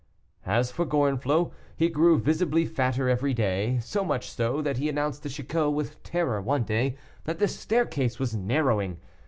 As for Gorenflot, he grew visibly fatter every day, so much so, that he announced to Chicot with terror one day that the staircase was narrowing.